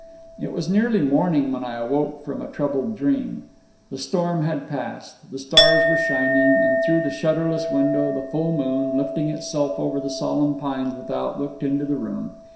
It was nearly morning when I awoke from a troubled dream. The storm had passed, the stars were shining, and through the shutterless window the full moon, lifting itself over the solemn pines without, looked into the room.